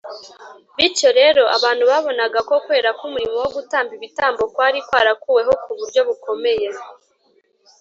bityo rero, abantu babonaga ko kwera k’umurimo wo gutamba ibitambo kwari kwarakuweho ku buryo bukomeye